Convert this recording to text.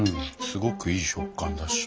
すごくいい食感だし。